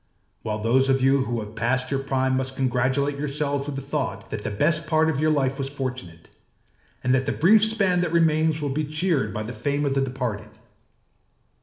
While those of you who have passed your prime must congratulate yourselves with the thought that the best part of your life was fortunate, and that the brief span that remains will be cheered by the fame of the departed.